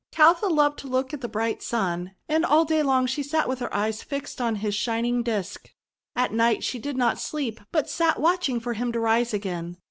Caltha loved to look at the bright Sun, and all day long she sat with her eyes fixed on his shining disk. At night she did not sleep, but sat watching for him to rise again.